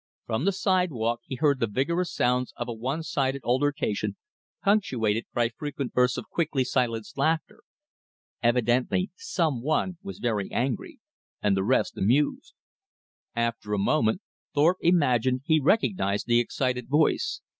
From the sidewalk he heard the vigorous sounds of a one sided altercation punctuated by frequent bursts of quickly silenced laughter. Evidently some one was very angry, and the rest amused. After a moment Thorpe imagined he recognized the excited voice.